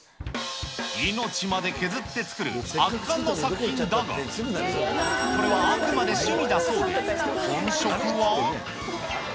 命まで削って作る圧巻の作品だが、これはあくまで趣味だそうで、本職は。